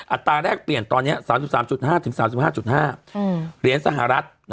อัตราแรกเปลี่ยนตอนนี้๓๓๕๓๕๕เหรียญสหรัฐ